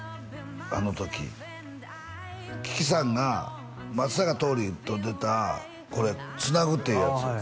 あの時樹木さんが松坂桃李と出たこれ「ツナグ」っていうやつ